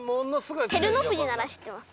あと照ノ富士なら知ってます。